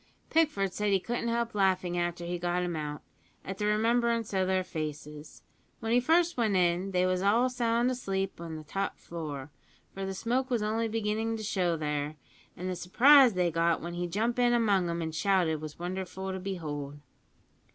"Pickford said he couldn't help laughing after he got 'em out, at the remembrance o' their faces. When he first went in they was all sound asleep in the top floor, for the smoke was only beginnin' to show there, an' the surprise they got when he jump in among 'em an' shouted was wonderful to behold."